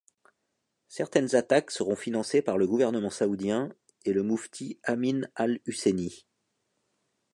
Certaines attaques seront financées par le gouvernement saoudien et le Mufti Amin al-Husseini.